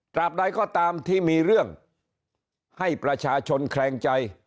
ตราบไหนก็ตามที่มีเรื่องให้ประชาชนแขลงใจ